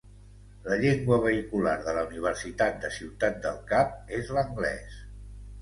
La llengua vehicular de la Universitat de Ciutat del Cap és l'anglès.